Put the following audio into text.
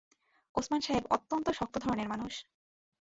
ওসমান সাহেব অত্যন্ত শক্ত ধরনের মানুষ।